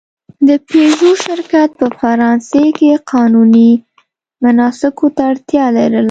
د پيژو شرکت په فرانسې کې قانوني مناسکو ته اړتیا لرله.